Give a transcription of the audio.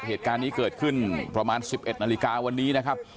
เหตุการณ์นี้เกิดขึ้นประมาณ๑๑นาฬิกาวันนี้นะครับ